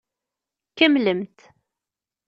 Kemmlemt.